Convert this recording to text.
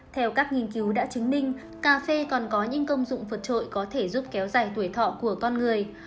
theo các nghiên cứu đã chứng minh cà phê còn có những công dụng vượt trội có thể giúp kéo dài tuổi thọ của con người